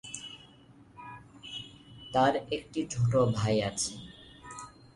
তার একটি ছোট ভাই আছে।